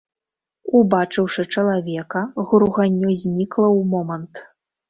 Убачыўшы чалавека, груганнё знікла ў момант.